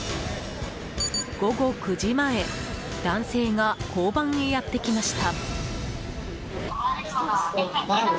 午後９時前男性が交番へやってきました。